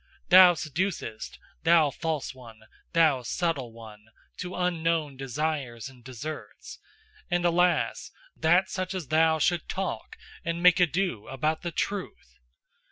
Thou seducest, thou false one, thou subtle one, to unknown desires and deserts. And alas, that such as thou should talk and make ado about the TRUTH!